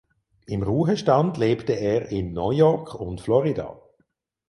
Im Ruhestand lebte er in New York und Florida.